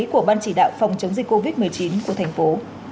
của ban chỉ đạo phòng chống dịch covid một mươi chín của thành phố